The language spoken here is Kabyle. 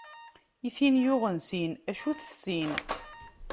I tin yuɣen sin, acu ur tessin?